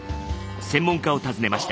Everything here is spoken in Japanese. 専門家を訪ねました。